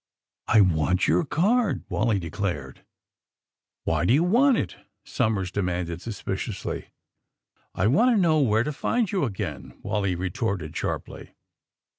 I want your card," Wally declared. Why do you want it?" Somers demanded suspiciously. I want to know where to find you again," Wally retorted sharply.